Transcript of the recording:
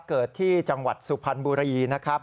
เกิดที่จังหวัดสุพรรณบุรีนะครับ